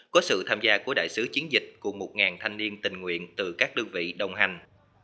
có sự tham gia của đại sứ chiến dịch của một thanh niên tình nguyện từ các đơn vị đồng hành